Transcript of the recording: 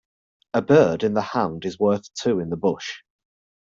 A bird in the hand is worth two in the bush.